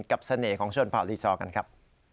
เสน่ห์ของชนเผ่าลีซอร์กันครับ